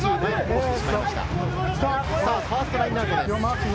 ファーストラインアウトです。